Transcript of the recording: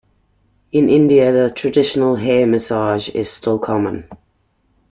In India, the traditional hair massage is still common.